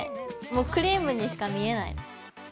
もうクリームにしか見えない。